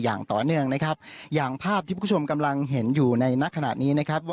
อย่างต่อเนื่องนะครับอย่างภาพที่คุณผู้ชมกำลังเห็นอยู่ในนักขณะนี้นะครับ